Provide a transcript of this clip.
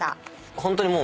ホントにもう。